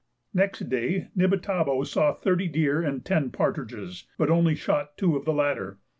Next day Nibitabo saw thirty deer and ten partridges, but only shot two of the latter.